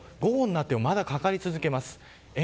そうすると、午後になってもまだかかり続けます。